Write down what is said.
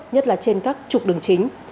nhất là trên các trục đường chính